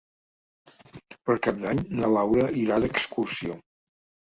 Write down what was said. Per Cap d'Any na Laura irà d'excursió.